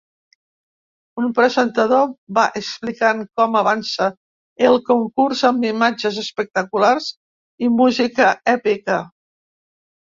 Un presentador va explicant com avança el concurs amb imatges espectaculars i música èpica.